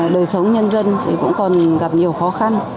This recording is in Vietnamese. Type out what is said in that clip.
đời sống nhân dân cũng còn gặp nhiều khó khăn